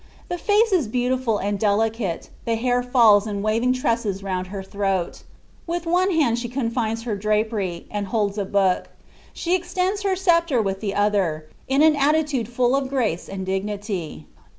The fuce is beautiful and delicate, the hair &Us in waving Iresaes round her throat ; with one hand she confines her dt^MTy. and holds a book ; she extends her sceptre with the other, in U Btutude full of grace and dignity.